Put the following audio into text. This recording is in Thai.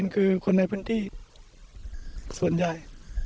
คือคนในพื้นที่ส่วนใหญ่